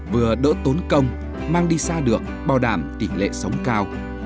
vừa đỡ tốn công mang đi xa được bảo đảm tỷ lệ sống cao